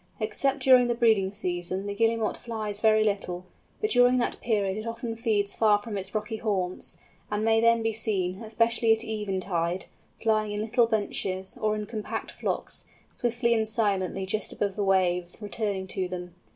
Except during the breeding season the Guillemot flies very little, but during that period it often feeds far from its rocky haunts, and may then be seen, especially at eventide, flying in little bunches, or in compact flocks, swiftly and silently just above the waves, returning to them.